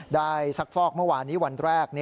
ได้ซักฟอกเมื่อวานวันแรก